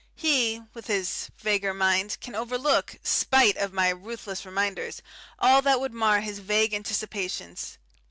He, with his vaguer mind, can overlook spite of my ruthless reminders all that would mar his vague anticipations.